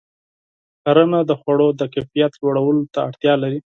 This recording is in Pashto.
کرنه د خوړو د کیفیت لوړولو ته اړتیا لري.